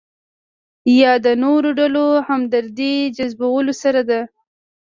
یا د نورو ډلو همدردۍ جذبولو سره ده.